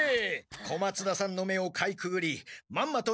小松田さんの目をかいくぐりまんまと